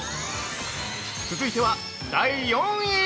続いては第４位。